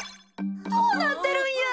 どうなってるんや？